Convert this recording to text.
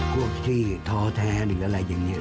พวกที่ท้อแท้หรืออะไรอย่างนี้